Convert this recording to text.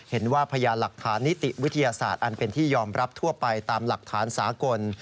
พยานหลักฐานนิติวิทยาศาสตร์อันเป็นที่ยอมรับทั่วไปตามหลักฐานสากล